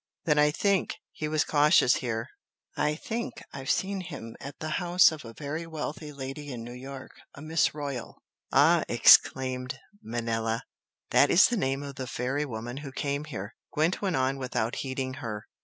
Then I THINK" he was cautious here "I THINK I've seen him at the house of a very wealthy lady in New York a Miss Royal " "Ah!" exclaimed Manella "That is the name of the fairy woman who came here!" Gwent went on without heeding her.